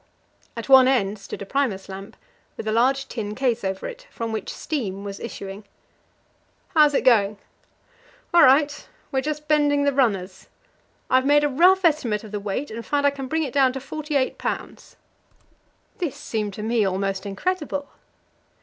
At one end stood a Primus lamp with a large tin case over it, from which steam was issuing. "How is it going?" "All right. We're just bending the runners. I've made a rough estimate of the weight, and find I can bring it down to 48 pounds." This seemed to me almost incredible.